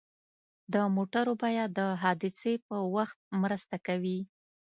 د موټرو بیمه د حادثې په وخت مرسته کوي.